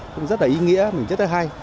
cũng rất là ý nghĩa mình rất là hay